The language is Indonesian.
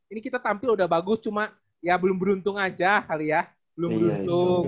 ini kita tampil udah bagus cuma ya belum beruntung aja kali ya belum beruntung